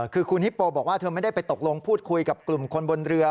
คือคุณฮิปโปบอกว่าเธอไม่ได้ไปตกลงพูดคุยกับกลุ่มคนบนเรือ